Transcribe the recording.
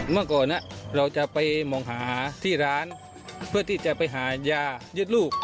เมื่อก่อนเราจะไปมองหาที่ร้านเพื่อที่จะไปหายายึดลูก